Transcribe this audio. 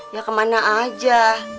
ya kemana aja